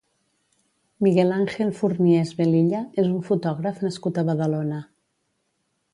Miguel Ángel Forniés Velilla és un fotògraf nascut a Badalona.